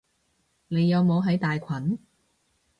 你有冇喺大群？